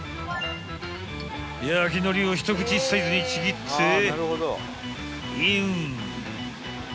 ［焼き海苔を一口サイズにちぎってイン！］